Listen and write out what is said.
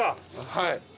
はい。